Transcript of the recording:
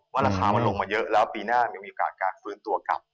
ราคามันลงมาเยอะแล้วปีหน้ามีโอกาสการฟื้นตัวกลับ